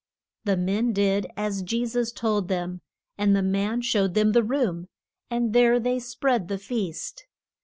The men did as Je sus told them, and the man showed them the room, and there they spread the feast.